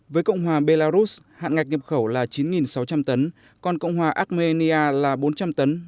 với cộng hòa belarus hạn ngạch nhập khẩu là chín sáu trăm linh tấn còn cộng hòa armenia là bốn trăm linh tấn